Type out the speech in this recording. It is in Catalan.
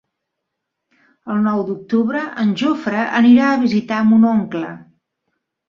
El nou d'octubre en Jofre anirà a visitar mon oncle.